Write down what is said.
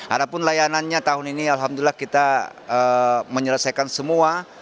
ada pun layanannya tahun ini alhamdulillah kita menyelesaikan semua